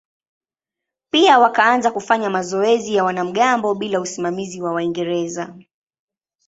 Pia wakaanza kufanya mazoezi ya wanamgambo bila usimamizi wa Waingereza.